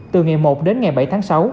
từ ngày một đến ngày bảy tháng sáu